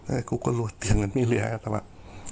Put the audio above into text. เอ่อกูก็ลวดเตียงเงินไม่เรียกแต่ว่า